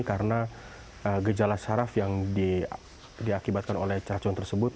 karena gejala syaraf yang diakibatkan oleh cacun tersebut